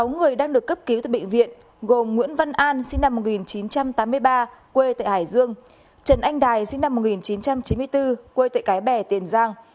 sáu người đang được cấp cứu tại bệnh viện gồm nguyễn văn an sinh năm một nghìn chín trăm tám mươi ba quê tại hải dương trần anh đài sinh năm một nghìn chín trăm chín mươi bốn quê tại cái bè tiền giang